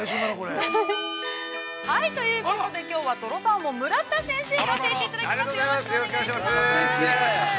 ◆はい、ということで、きょうは、とろサーモン村田先生に教えていただきます。